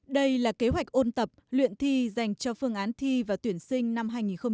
đây là kế hoạch ôn tập luyện thi dành cho phương án thi và tuyển sinh năm hai nghìn hai mươi